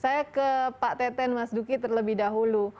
saya ke pak teten mas duki terlebih dahulu